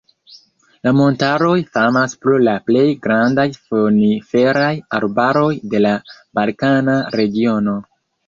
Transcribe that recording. La montaroj famas pro la plej grandaj koniferaj arbaroj de la balkana regiono.